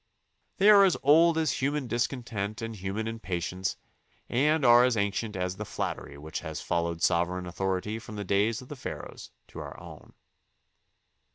They are as old as human discontent and human impatience and are as ancient as the flattery which has followed sovereign authority from the days of the Pharaohs to our own.